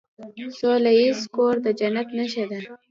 سوله ایز کور د جنت نښه ده.